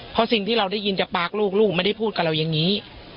เพราะสิ่งที่เราได้ยินจากปากลูกลูกไม่ได้พูดกับเราอย่างนี้